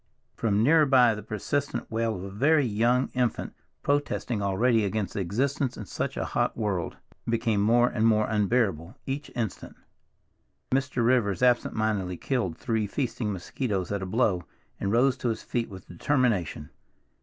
From nearer by the persistent wail of a very young infant, protesting already against existence in such a hot world, became more and more unbearable each instant. Mr. Rivers absent mindedly killed three feasting mosquitoes at a blow, and rose to his feet with determination.